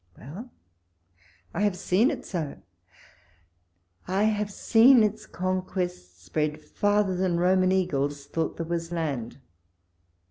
Well I I have seen it so ; I have seen its conquests spread farther than Roman eagles thought there was land.